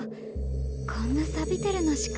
こんなさびてるのしか。